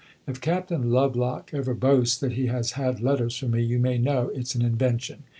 If Captain Lovelock ever boasts that he has had letters from me, you may know it 's an invention.